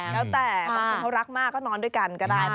แล้วแต่บางคนเขารักมากก็นอนด้วยกันก็ได้นะ